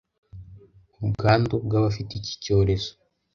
ubwandu bw’abafite iki cyorezo